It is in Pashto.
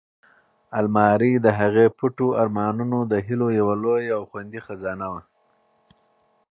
المارۍ د هغې د پټو ارمانونو او هیلو یوه لویه او خوندي خزانه وه.